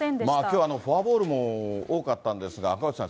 きょうはフォアボールも多かったんですが、赤星さん、